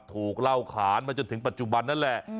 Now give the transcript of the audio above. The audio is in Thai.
ถูกเล่าขานมาจนถึงปัจจุบันนั่นแหละ